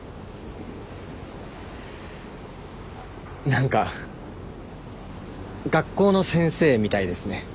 何か学校の先生みたいですね。